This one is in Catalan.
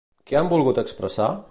Què han volgut expressar?